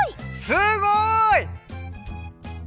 すごい！